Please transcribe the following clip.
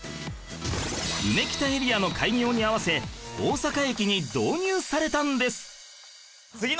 うめきたエリアの開業に合わせ大阪駅に導入されたんです